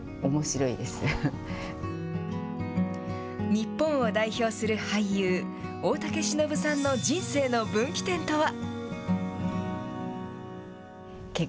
日本を代表する俳優、大竹しのぶさんの人生の分岐点とは。